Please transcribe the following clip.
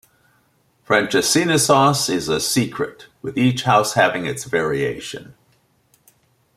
Francesinha sauce is a secret, with each house having its variation.